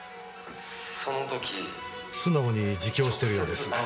素直に自供しているようです。